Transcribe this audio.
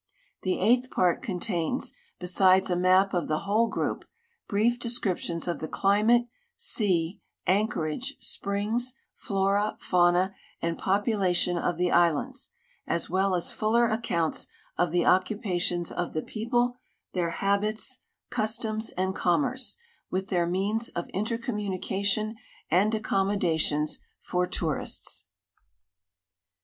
The eighth ]>art contains, besides a map of the whole group, brief descriptions of the climate, sea, anchorage, springs, flora, fauna, and poi)ulation of the islands, as well as fuller accounts of the occui)ations of the j)eople, their habits, customs, and commerce, with their means of intercommunication and accommodations for tourists.